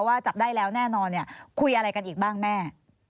ว่าจับได้แล้วแน่นอนคุยอะไรกันอีกบ้างแม่